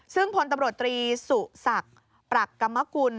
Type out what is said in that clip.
ซึ่งพลตำรวจตรีสุศักดิ์ปรักกรรมกุล